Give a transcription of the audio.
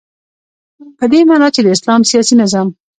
په دی معنا چی د اسلام سیاسی نظام